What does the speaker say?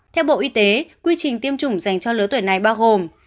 theo bộ y tế quy trình tiêm chủng dành cho lứa tuổi này bao gồm